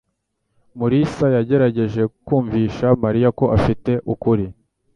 Mulisa yagerageje kumvisha Mariya ko afite ukuri.